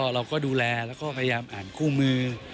เราก็ดูแลแล้วก็พยายามอ่านคู่มือ